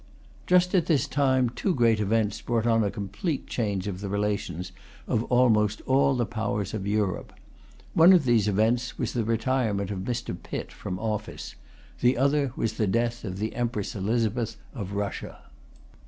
Just at this time two great events brought on a complete change in the relations of almost all the powers of Europe. One of those events was the retirement of Mr. Pitt from office; the other was the death of the Empress Elizabeth of Russia.